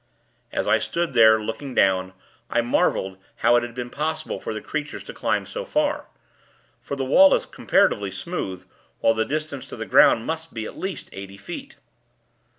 As I stood there, looking down, I marveled how it had been possible for the creatures to climb so far; for the wall is comparatively smooth, while the distance to the ground must be, at least, eighty feet.